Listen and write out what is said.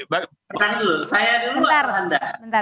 bentar dulu saya dulu atau anda